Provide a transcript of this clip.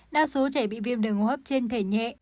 đa số trẻ bị viêm đường hốp trên thể nhẹ